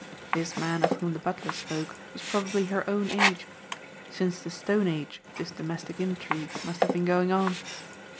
This man of whom the butler spoke was probably her own age. Since the stone age this domestic intrigue must have been going on.